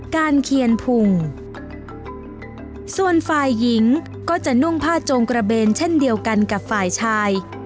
เคียนพุงส่วนฝ่ายหญิงก็จะนุ่งผ้าโจงกระเบนเช่นเดียวกันกับฝ่ายชาย